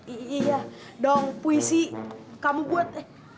iya dong puisi kamu buat eh